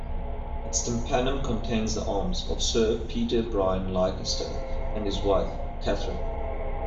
Its tympanum contains the arms of Sir Peter Byrne Leicester and his wife, Catherine.